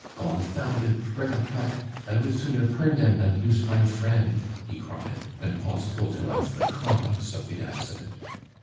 "Gonfounded pric a prac! I would sooner purn dem dan loose mein friend!" he cried, when Pons told him of the cause of the accident.